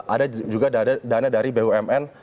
ada juga dana dari bumn